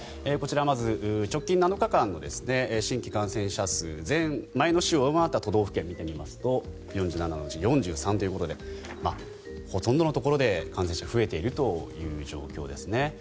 こちら、まず直近７日間の新規感染者数前の週を上回った都道府県を見てみますと４７のうち４３ということでほとんどのところで感染者が増えているという状況ですね。